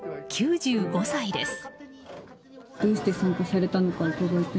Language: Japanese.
９５歳です。